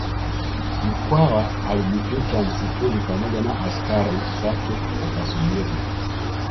Mkwawa alijificha msituni pamoja na askari zake akasubiri